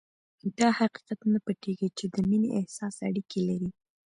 دا حقيقت نه پټېږي چې د مينې احساس اړيکې لري.